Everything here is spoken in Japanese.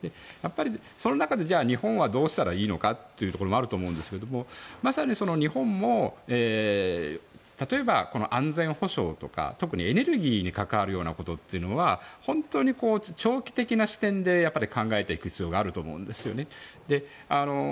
その中で、日本はどうしたらいいのかというのもあると思うんだけどまさに日本も例えば安全保障とか特にエネルギーに関わるようなことは長期的な視点で考えていく必要があると思うんですよね。